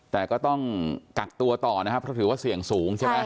แต่ก็ต้องกักตัวต่อนะครับเพราะถือว่าเสี่ยงสูงใช่ไหม